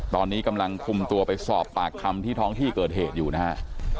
ตอนนี้กำลังคุมตัวไปสอบปากคำที่ท้องที่เกิดเหตุอยู่นะฮะ